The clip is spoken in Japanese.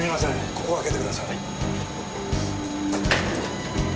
ここを開けてください。